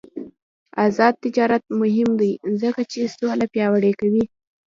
آزاد تجارت مهم دی ځکه چې سوله پیاوړې کوي.